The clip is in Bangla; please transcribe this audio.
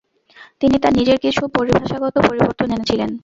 তিনি তাঁর নিজের কিছু পরিভাষাগত পরিবর্তন এনে ছিলেন।